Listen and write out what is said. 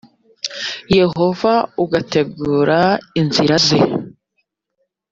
yehova ugategura inzira ze